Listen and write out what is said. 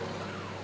dari yang alzheimer